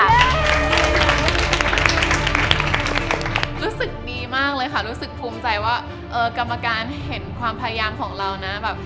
รู้สึกดีมากเลยค่ะรู้สึกภูมิใจว่ากรรมการเห็นความพยายามของเรานะแบบ